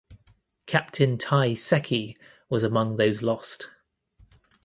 Captain Tei Seki was amongst those lost.